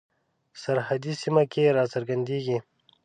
سرحدي سیمه کې را څرګندیږي.